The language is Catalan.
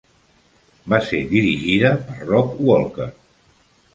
Va ser dirigida per Rob Walker.